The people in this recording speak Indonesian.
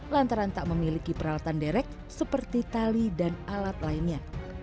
lantaran tak memiliki peralatan derek seperti tali dan alat lainnya